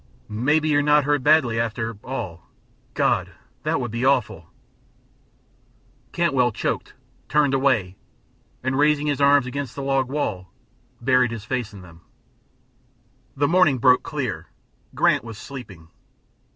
"Maybe you're not hurt badly, after all. God! That would be awful " Cantwell choked, turned away, and, raising his arms against the log wall, buried his face in them. The morning broke clear; Grant was sleeping.